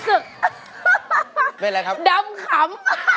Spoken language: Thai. อืม